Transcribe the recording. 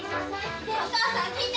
ねえお母さん聞いて！